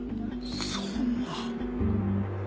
そんな。